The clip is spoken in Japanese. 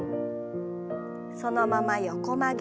そのまま横曲げ。